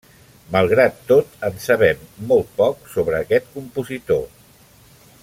Malgrat tot, en sabem molt poc sobre aquest compositor.